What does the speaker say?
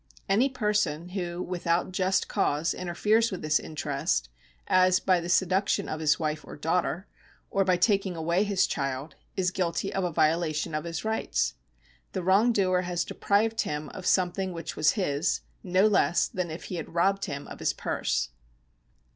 Any person who without just cause interferes with this interest, as by the seduction of his wife or daughter, or by taking away his child, is guilty of a viola tion of his rights. The wrongdoer has deprived him of some thing which was his, no less than if he had robbed him of his purse.